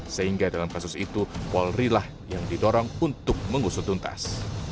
sehingga dalam kasus itu polri lah yang didorong untuk mengusut tuntas